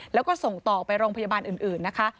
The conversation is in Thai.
แล้วก็ส่งต่อไปโรงพยาบาลอื่นนะคะ